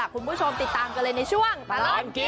คุณผู้ชมติดตามกันเลยในช่วงตลอดกิน